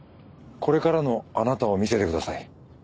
これからのあなたを見せてください。